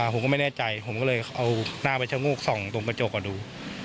ผมก็ไม่แน่ใจผมก็เลยเอาหน้าไปชะโงกส่องตรงกระจกก่อนดู